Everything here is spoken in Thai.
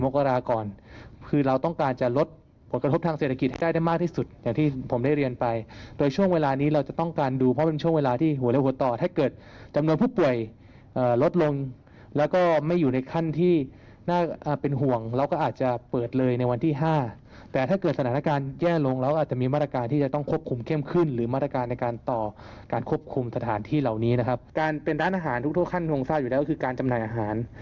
การเป็นร้านอาหารทุกขั้นคงทราบอยู่แล้วก็คือการจำหน่ายอาหาร